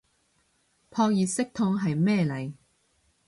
撲熱息痛係咩嚟